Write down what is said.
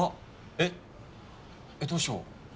えっえっどうしよう。